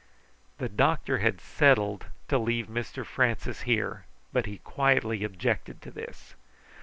The doctor had settled to leave Mr Francis here, but he quietly objected to this.